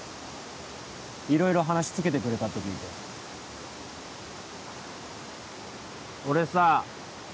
色々話つけてくれたって聞いて俺さ